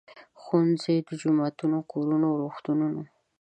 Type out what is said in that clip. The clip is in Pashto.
ښوونځي، جوماتونه، کورونه، روغتونونه.